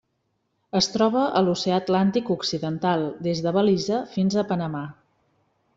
Es troba a l'Oceà Atlàntic occidental: des de Belize fins a Panamà.